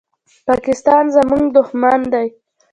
پاکستان زمونږ دوښمن دی